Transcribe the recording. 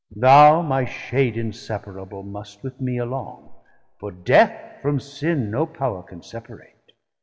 Thou my Shade Inseparable must with mee along: 250 For Death from Sin no power can separate.